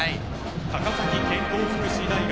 高崎健康福祉大学